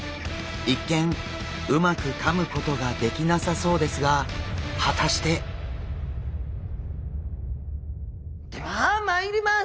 一見うまくかむことができなさそうですが果たして？ではまいります。